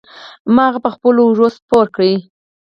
ما هغه په خپلو اوږو سپار کړ.